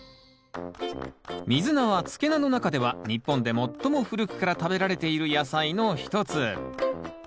ミズナは漬け菜の中では日本で最も古くから食べられている野菜の一つ。